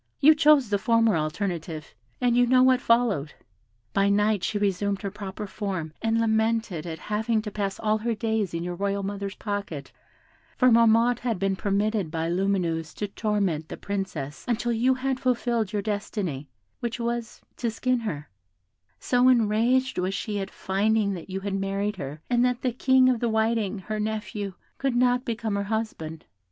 You chose the former alternative, and you know what followed. By night she resumed her proper form, and lamented at having to pass all her days in your royal mother's pocket, for Marmotte had been permitted by Lumineuse to torment the Princess until you had fulfilled your destiny, which was, to skin her; so enraged was she at finding that you had married her, and that the King of the Whiting, her nephew, could not become her husband.